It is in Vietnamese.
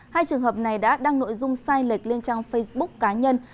hai trường hợp này đã đăng nội dung sai lệch lên trang facebook cá nhân